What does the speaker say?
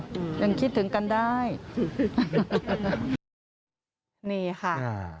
แต่ยังคิดถึงอยู่ยังคิดถึงกันได้